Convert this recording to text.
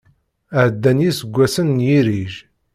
Ɛeddan yiseggasen n yirrij.